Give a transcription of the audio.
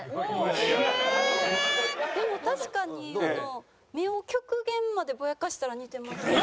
でも確かにあの目を極限までぼやかしたら似てます。